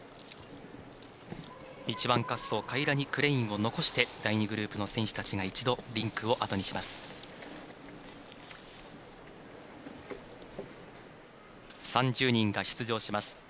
１番滑走カイラニ・クレインを残して第２グループの選手たちが一度リンクをあとにします。